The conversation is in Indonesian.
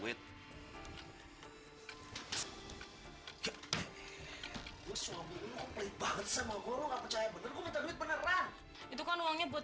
gue suami lu pelit banget sama guru nggak percaya bener bener itu kan uangnya buat